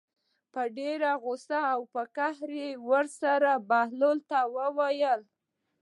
په ډېرې غوسې او قهر سره یې بهلول ته وویل.